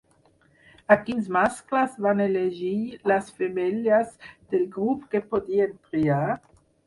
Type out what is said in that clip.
A quins mascles van elegir les femelles del grup que podien triar?